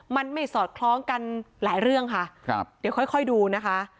มันไม่สอดคล้องกันหลายเรื่องค่ะครับเดี๋ยวค่อยค่อยดูนะคะ